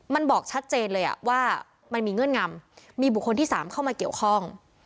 มันบอกชัดเจนเลยว่ามันมีเงื่อนงำมีบุคคลที่๓เข้ามาเกี่ยวข้อง